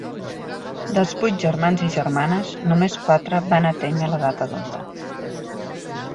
Dels vuit germans i germanes, només quatre van atènyer l'edat adulta.